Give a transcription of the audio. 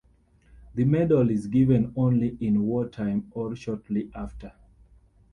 The medal is given only in wartime or shortly after.